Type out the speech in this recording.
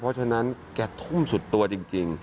เพราะฉะนั้นแกทุ่มสุดตัวจริง